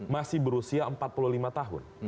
masih berusia empat puluh lima tahun